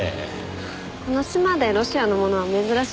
この島でロシアのものは珍しくないですよ。